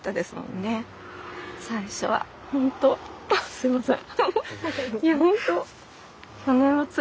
すいません。